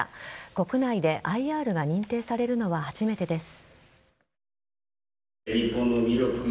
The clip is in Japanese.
国内でＩＲが認定されるのは初めてです。